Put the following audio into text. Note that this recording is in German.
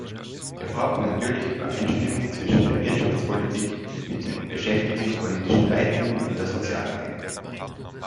Wir brauchen natürlich Übereinstimmung zwischen der Wirtschaftspolitik mit den beschäftigungspolitischen Leitlinien und der Sozialagenda.